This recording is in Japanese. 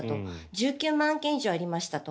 １９万件以上ありましたと。